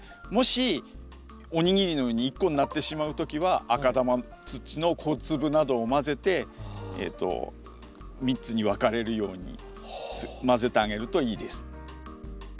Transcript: もしお握りのように１個になってしまう時は赤玉土の小粒などを混ぜて３つに分かれるように混ぜてあげるといいです。